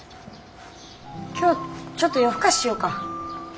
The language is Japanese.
今日ちょっと夜更かししようか。